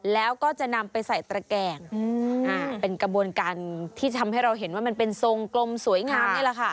แล้วก็จะนำไปใส่ตระแกงเป็นกระบวนการที่ทำให้เราเห็นว่ามันเป็นทรงกลมสวยงามนี่แหละค่ะ